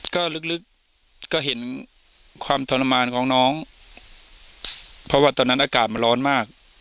ก็ลึกก็เห็นความทรมานของน้องเพราะว่าตอนนั้นอากาศมันร้อนมาก